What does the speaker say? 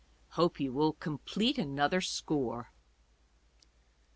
Hope you will complete another score.